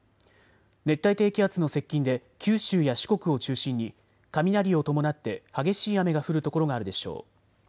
熱帯低気圧の接近で九州や四国を中心に雷を伴って激しい雨が降る所があるでしょう。